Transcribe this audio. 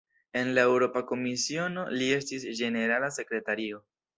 En la Eŭropa Komisiono, li estis "ĝenerala sekretario".